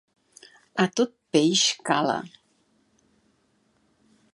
A tot peix cala.